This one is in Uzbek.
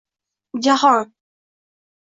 Jahon